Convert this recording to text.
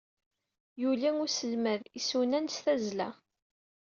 Yuli uselmad isunan s tazzla.